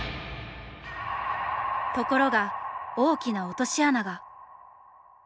ところが大きな落とし穴が。